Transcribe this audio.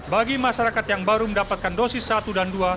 bagi masyarakat yang baru mendapatkan dosis satu dan dua